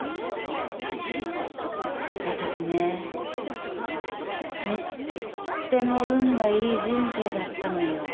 私ねとっても運がいい人生だったのよ。